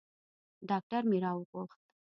ډاکتر مې راوغوښت.